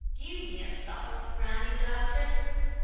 Give me a sup of brandy, doctor.